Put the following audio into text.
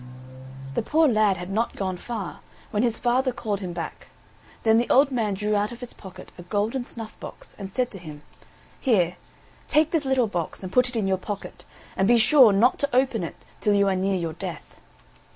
The poor lad had not gone far, when his father called him back; then the old man drew out of his pocket a golden snuff box, and said to him: "Here, take this little box, and put it in your pocket, and be sure not to open it till you are near your death."